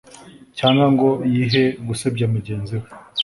cyangwa ngo yihe gusebya mugenzi we